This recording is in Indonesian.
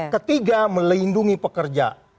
ketiga melindungi pekerja